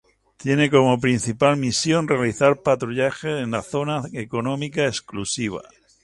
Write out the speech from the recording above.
Tiene como principal misión realizar patrullajes en la Zona Económica Exclusiva.